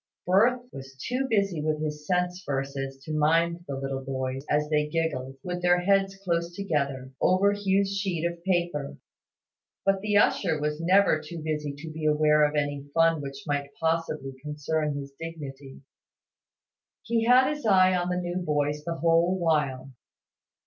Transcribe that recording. Firth was too busy with his sense verses to mind the little boys, as they giggled, with their heads close together, over Hugh's sheet of paper; but the usher was never too busy to be aware of any fun which might possibly concern his dignity. He had his eye on the new boys the whole while.